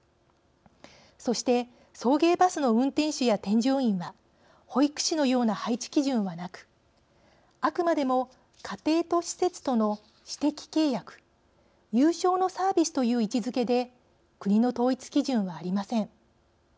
そして送迎バスの運転手や添乗員は保育士のような配置基準はなくあくまでも家庭と施設との私的契約有償のサービスという位置づけで国の統一基準はありません。